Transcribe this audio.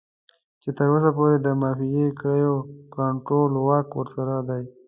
چې تر اوسه پورې د مافيايي کړيو کنټرول واک ورسره دی.